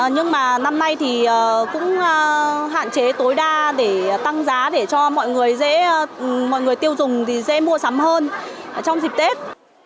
nhưng mà năm nay thì cũng hạn chế tối đa để tăng giá để cho mọi người tiêu dùng dễ mua sắm hơn trong dịp tết